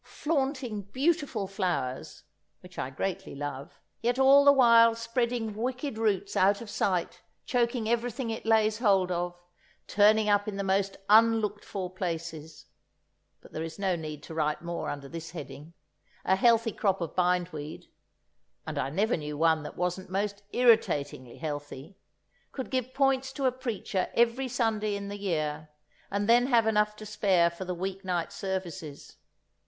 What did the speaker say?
Flaunting beautiful flowers (which I greatly love), yet all the while spreading wicked roots out of sight, choking everything it lays hold of, turning up in the most unlooked for places—but there is no need to write more under this heading; a healthy crop of bindweed (and I never knew one that wasn't most irritatingly healthy) could give points to a preacher every Sunday in the year, and then have enough to spare for the week night services.